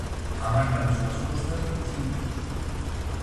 A marca das súas costas recíbeos.